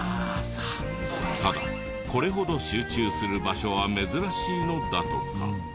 ただこれほど集中する場所は珍しいのだとか。